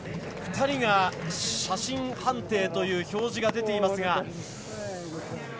２人が写真判定という表示が出ていますが。